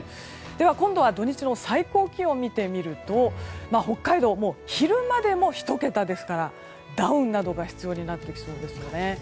では、今度は土日の最高気温を見てみると北海道もう昼間でも１桁ですからダウンなどが必要になってきそうですよね。